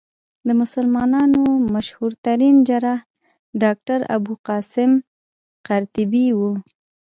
د مسلمانانو مشهورترين جراح ډاکټر ابوالقاسم قرطبي وو.